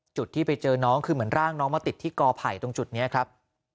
จุดที่ไปเจอน้องคือเหมือนร่างน้องมาติดที่กอไผ่ตรงจุดนี้ครับ